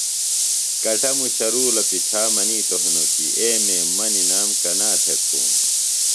کٹموشہ رُولہ پچھا منِیتوۡ ہنوۡ کیۡ اے میم مہ نِئام کنا تھےۡ کُھوم